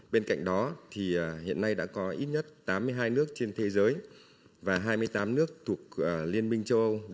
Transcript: bên cạnh đó thì hiện nay đã có ít nhất tám mươi hai nước trên thế giới và hai mươi tám nước thuộc liên minh châu âu